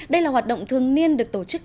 đây là hoạt động thường niên được tổ chức